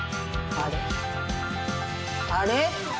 あれ？